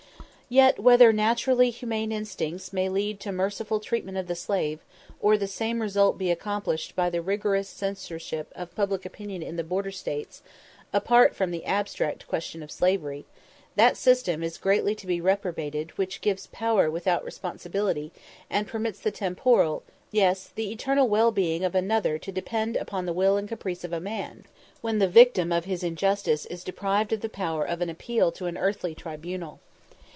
Yet, whether naturally humane instincts may lead to merciful treatment of the slave, or the same result be accomplished by the rigorous censorship of public opinion in the border States, apart from the abstract question of slavery, that system is greatly to be reprobated which gives power without responsibility, and permits the temporal, yes, the eternal well being of another to depend upon the will and caprice of a man, when the victim of his injustice is deprived of the power of appeal to an earthly tribunal.